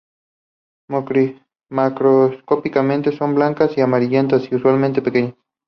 Macroscópicamente son blancas o amarillentas y, usualmente, pequeñas.